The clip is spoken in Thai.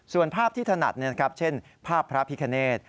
ส่วนภาพที่ถนัดเช่นภาพพระพิคเนต